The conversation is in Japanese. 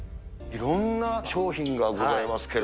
いろんな商品がございますけ